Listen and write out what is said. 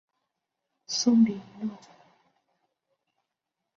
棕鳞肉刺蕨为鳞毛蕨科肉刺蕨属下的一个种。